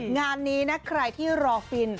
งานนี้นะใครที่รอฟิน